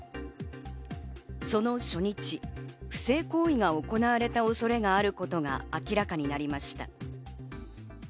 その初日、不正行為が行われた恐れがあることが明らかになりました。